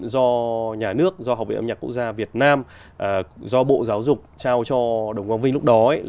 do nhà nước do học viện âm nhạc quốc gia việt nam do bộ giáo dục trao cho đồng quang vinh lúc đó